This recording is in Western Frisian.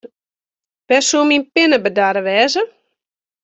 Wêr soe myn pinne bedarre wêze?